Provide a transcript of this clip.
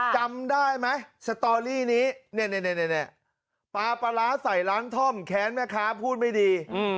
จำได้มั้ยสตอรี่นี้เนี่ยปลาปลาล้าใส่ร้านท่อมแค้นมั้ยคะพูดไม่ดี